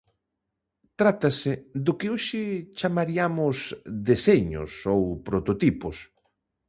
Trátase do que hoxe chamariamos deseños ou prototipos.